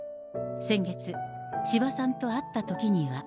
先月、千葉さんと会ったときには。